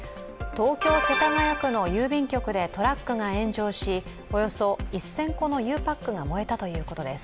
東京・世田谷区の郵便局でトラックが炎上し、およそ１０００個のゆうパックが燃えたということです。